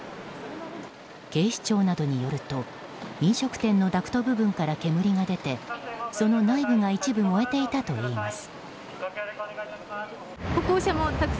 警視庁などによると飲食店のダクト部分から煙が出てその内部が一部燃えていたといいます。